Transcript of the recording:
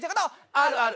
あるある。